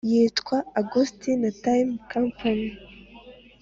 yitwa: “augustina time company “